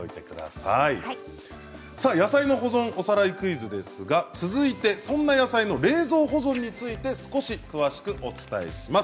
さあ野菜の保存おさらいクイズですが続いてそんな野菜の冷蔵保存について少し詳しくお伝えします。